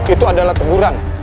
itu adalah teguran